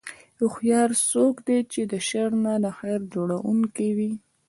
هوښیار څوک دی چې د شر نه د خیر جوړوونکی وي.